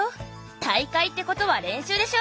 大会ってことは練習でしょ！